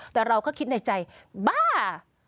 แต่เราก็คิดในใจบ้า